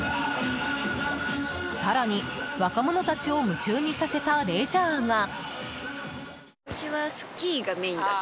更に、若者たちを夢中にさせたレジャーが。